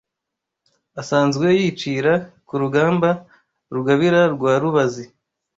Asanzwe yicira ku rugamba Rugabira rwa Rubazi